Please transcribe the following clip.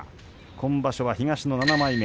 今場所は東の７枚目。